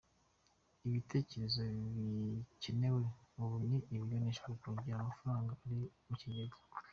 Ibitekerezo bikenewe ubu ni ibiganisha ku kongera amafaranga ari mu kigega.